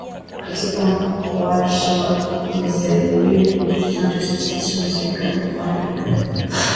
Katika warsha za kuzisaidia kuzihusisha taasisi zisizo za kiserikali kufanya kazi pamoja